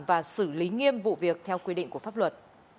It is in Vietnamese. và xử lý nghiêm vụ việc theo quy định của pháp luật